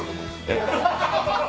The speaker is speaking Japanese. えっ？